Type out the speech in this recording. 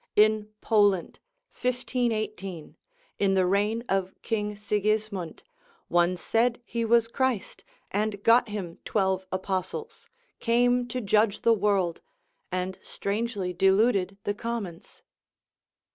In Poland, 1518, in the reign of King Sigismund, one said he was Christ, and got him twelve apostles, came to judge the world, and strangely deluded the commons.